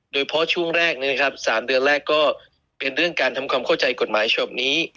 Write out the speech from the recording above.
ช่วงแรกนะครับ๓เดือนแรกก็เป็นเรื่องการทำความเข้าใจกฎหมายฉบับนี้